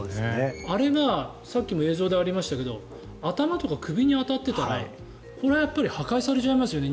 あれがさっきも映像であったけど頭とか首に当たっていたらこれは破壊されちゃいますよね